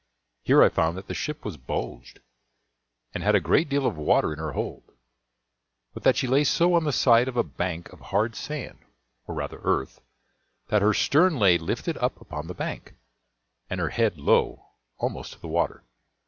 Here I found that the ship was bulged, and had a great deal of water in her hold, but that she lay so on the side of a bank of hard sand, or rather earth, that her stern lay lifted up upon the bank, and her head low, almost to the water.